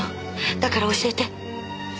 だから教えて。